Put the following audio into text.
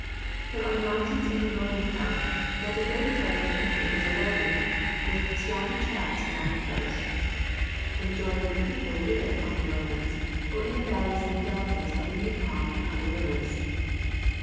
There are mountains in the northern part, but the greater part of the country is a lowland, with swampy tracts along the coast. The majority of the people live on the lowlands or in the valleys and deltas of the Mekong and other rivers.